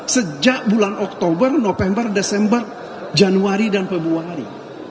sejak bulan oktober november desember januari dan februari